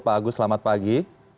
pak agus selamat pagi